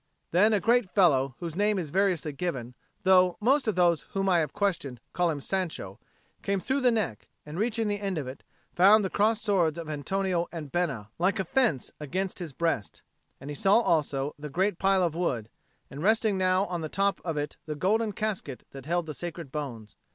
Then a great fellow, whose name is variously given, though most of those whom I have questioned call him Sancho, came through the neck, and, reaching the end of it, found the crossed swords of Antonio and Bena like a fence against his breast. And he saw also the great pile of wood, and resting now on the top of it the golden casket that held the sacred bones.